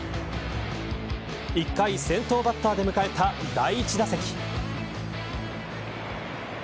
１回先頭バッターで迎えた第１打席。